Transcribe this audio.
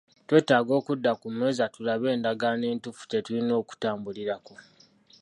Twetaaga okudda ku mmeeza tulabe endagaano entuufu gye tulina okutambulirako.